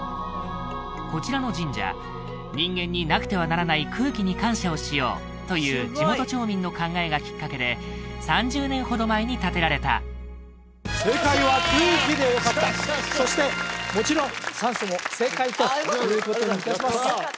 こちらの神社人間になくてはならない空気に感謝をしようという地元町民の考えがきっかけで３０年ほど前に建てられた正解は「空気」でよかったそしてもちろん「酸素」も正解ということにいたします